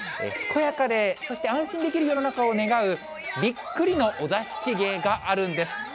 健やかで、そして安心できる世の中を願う、びっくりのお座敷芸があるんです。